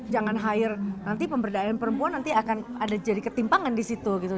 jangan hire nanti pemberdayaan perempuan nanti akan ada jadi ketimpangan di situ gitu